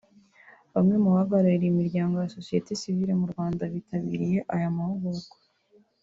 Bamwe mu bahagariye imiryango ya Sosiyete sivile mu Rwanda bitabiriye aya mahugurwa